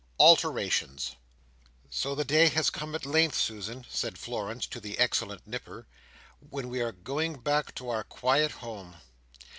Alterations So the day has come at length, Susan," said Florence to the excellent Nipper, "when we are going back to our quiet home!"